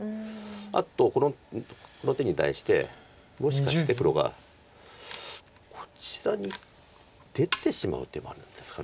あとこの手に対してもしかして黒がこちらに出てしまう手もあるんですか。